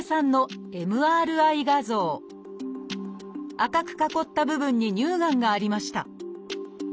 赤く囲った部分に乳がんがありました